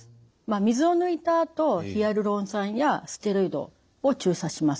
水を抜いたあとヒアルロン酸やステロイドを注射します。